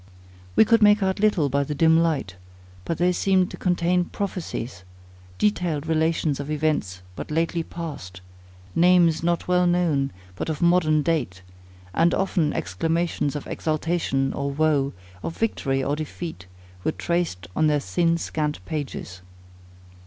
We could make out little by the dim light, but they seemed to contain prophecies, detailed relations of events but lately passed; names, now well known, but of modern date; and often exclamations of exultation or woe, of victory or defeat, were traced on their thin scant pages.